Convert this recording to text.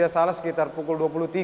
sekitar pukul dua puluh tiga